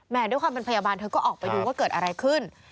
ด้วยความเป็นพยาบาลเธอก็ออกไปดูว่าเกิดอะไรขึ้น